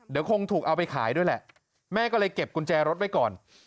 เดี๋ยวคงถูกเอาไปขายด้วยแหละแม่ก็เลยเก็บกุญแจรถไว้ก่อน